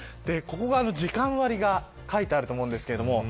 ここは時間割が書いてあると思うんですけど